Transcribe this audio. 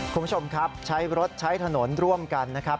คุณผู้ชมครับใช้รถใช้ถนนร่วมกันนะครับ